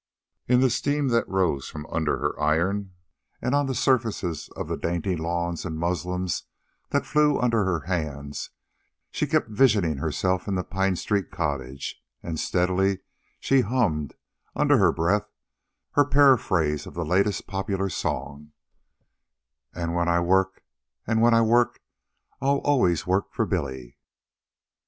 In the steam that arose from under her iron, and on the surfaces of the dainty lawns and muslins that flew under her hands, she kept visioning herself in the Pine Street cottage; and steadily she hummed under her breath her paraphrase of the latest popular song: "And when I work, and when I work, I'll always work for Billy."